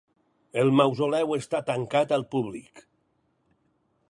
El Mausoleu està tancat al públic.